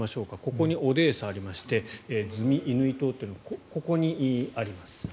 ここにオデーサがありましてズミイヌイ島はここにあります。